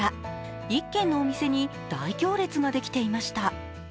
１軒のお店に大行列ができていました。